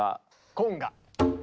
コンガ。